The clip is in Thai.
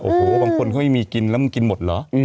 โอ้โหบางคนเขาไม่มีกินแล้วมึงกินหมดเหรอ